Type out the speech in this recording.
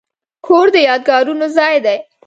کور د یادګارونو ځای دی.